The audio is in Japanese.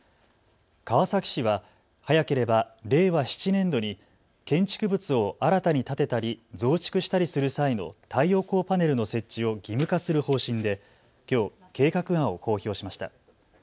川崎市は早ければ令和７年度に建築物を新たに建てたり増築したりする際の太陽光パネルの設置を義務化する方針できょう、計画案を公表しました。